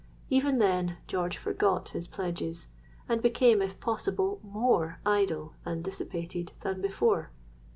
Even then, George forgot his pledges, and became, if possible, more idle and dissipated than before.